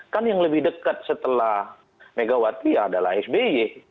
kan yang lebih dekat setelah megawati adalah sby